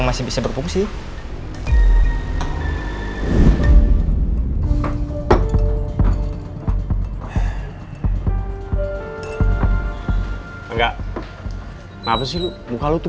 dan bila menyuruh otro grandeamu